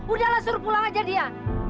udah lah suruh pulang aja dia